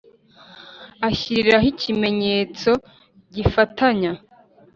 ashyiriraho ikimenyetso gifatanya,